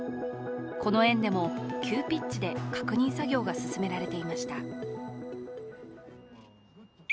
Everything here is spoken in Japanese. この園でも、急ピッチで確認作業が進められていました。